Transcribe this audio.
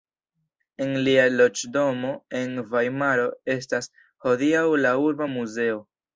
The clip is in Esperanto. En lia loĝdomo en Vajmaro estas hodiaŭ la Urba muzeo.